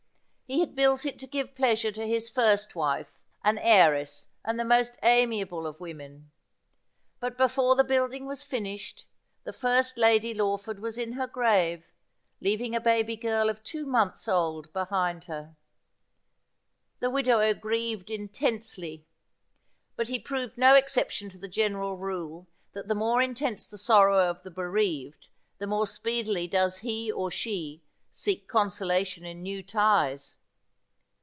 He had built it to give pleasure to his first wife, an heiress, and the most amiable of women : but before the building was finished the first Lady Lawford was in her grave, leaving a baby girl of two months old behind her. The widower grieved intensely ; but he proved no exception to the general rule that the more intense the sorrow of the bereaved the more speedily does he or she seek consolation in new ties.